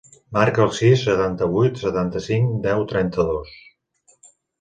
Marca el sis, setanta-vuit, seixanta-cinc, deu, trenta-dos.